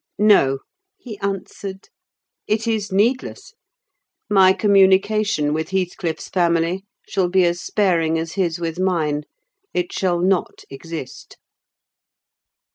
"No," he answered. "It is needless. My communication with Heathcliff's family shall be as sparing as his with mine. It shall not exist!"